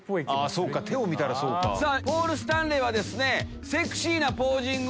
ポール・スタンレーはですね。